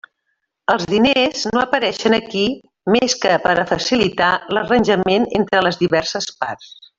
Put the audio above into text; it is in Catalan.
Els diners no apareixen aquí més que per a facilitar l'arranjament entre les diverses parts.